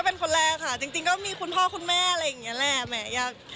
ก็เป็นคนแรกค่ะเช่นก็มีคุณพ่อคุณแม่แหละอย่างงี้แหละ